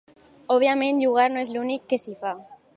Òbviament jugar no és l'únic que s'hi fa.